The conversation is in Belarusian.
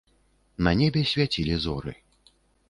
На небе свяцілі зоры.